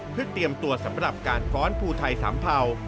เพื่อเตรียมตัวสำหรับการฟ้อนภูไทยสามเภา